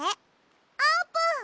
あーぷん！